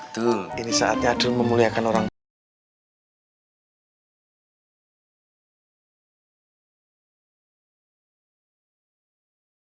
dul ini saatnya aduh memuliakan orang tua